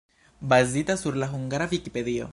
Bazita sur la hungara Vikipedio.